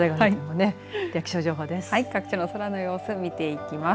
では、気象情報です。